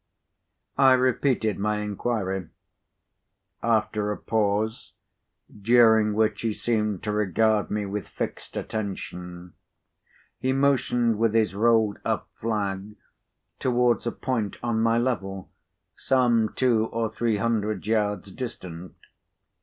I repeated my inquiry. After a pause, during which he seemed to regard me with fixed attention, he motioned with his rolled up flag towards a point on my level, some two or three hundred yards distant.